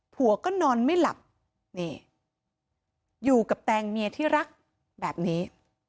ผัวก็นอนไม่หลับนี่อยู่กับแตงเมียที่รักแบบนี้